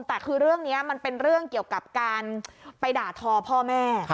แต่คือเรื่องนี้มันเป็นเรื่องเกี่ยวกับการไปด่าทอพ่อแม่